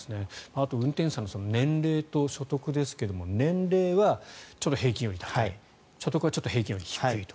あと運転手さんの年齢と所得ですが年齢はちょっと平均より高い所得は平均より低いと。